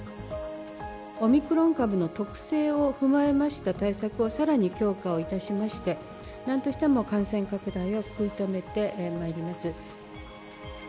オミクロン株の特性を踏まえました対策を、さらに強化をいたしまして、なんとしても感染拡大を食い止めてまいります。